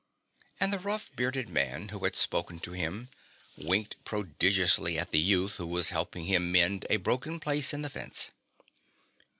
And the rough, bearded man who had spoken to him, winked prodigiously at the youth who was helping him mend a broken place in the fence.